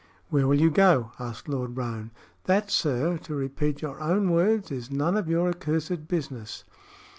"Where will you go?" asked Lord Roane. "That, sir, to repeat your own words, is none of your accursed business."